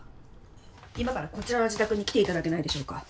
今からこちらの自宅に来て頂けないでしょうか。